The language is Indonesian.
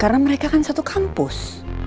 karena mereka kan satu kampus